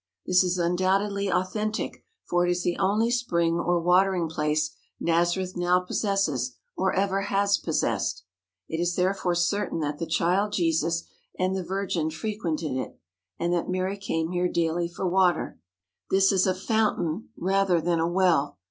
This is undoubtedly authentic, for it is the only spring or watering place Nazareth now possesses or ever has possessed. It is therefore certain that the child Jesus and the Virgin frequented it, and that Mary came here daily for water. This is a fountain rather than a well.